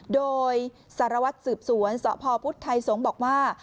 โดยสารวัตรสืบสวนสพพุทธไทยสงฆ์บอกว่า